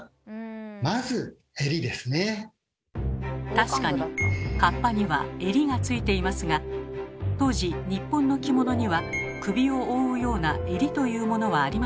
確かにかっぱには襟がついていますが当時日本の着物には首を覆うような襟というものはありませんでした。